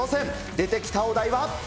出てきたお題は。